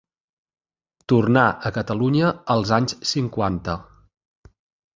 Tornà a Catalunya als anys cinquanta.